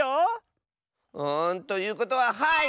んということははい！